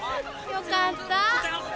よかった。